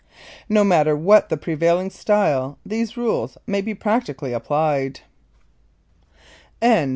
NO MATTER WHAT THE PREVAILING STYLE THESE RULES MAY BE PRACTICALLY APPLIED.